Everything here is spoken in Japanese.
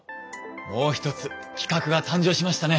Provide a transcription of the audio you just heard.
もう一つ企画が誕生しましたね！